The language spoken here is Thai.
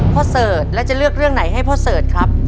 เสิร์ชแล้วจะเลือกเรื่องไหนให้พ่อเสิร์ชครับ